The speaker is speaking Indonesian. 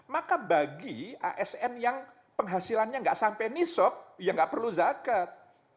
maka bagi asn yang penghasilannya nggak sampai nisob ya nggak perlu zakat